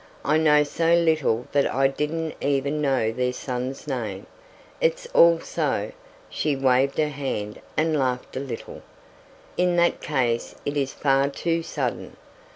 I know so little that I didn't even know their son's name. It's all so " She waved her hand and laughed a little. "In that case it is far too sudden."